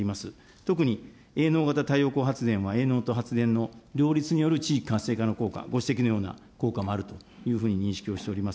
特に営農型太陽光発電は営農と発電の両立による地域活性化の効果、ご指摘のような効果もあるというふうに認識をしております。